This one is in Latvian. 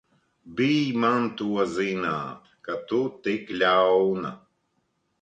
Bij man to zināt, ka tu tik ļauna!